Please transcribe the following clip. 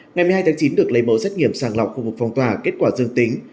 ngày một mươi hai tháng chín được lấy mẫu xét nghiệm sàng lọc khu vực phong tỏa kết quả dương tính